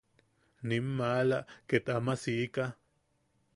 Nim maala ket ama sika.